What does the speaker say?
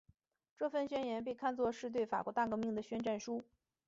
这份宣言被看作是对法国大革命的宣战书。